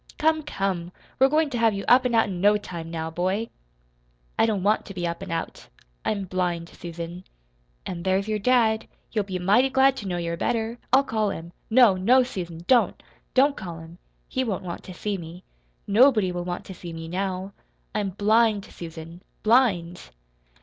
Come, come! We're goin' to have you up an' out in no time, now, boy!" "I don't want to be up and out. I'm blind, Susan." "An' there's your dad. He'll be mighty glad to know you're better. I'll call him." "No, no, Susan don't! Don't call him. He won't want to see me. Nobody will want to see me now. I'm blind, Susan blind!"